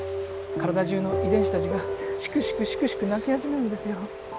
体じゅうの遺伝子たちがシクシクシクシク泣き始めるんですよ。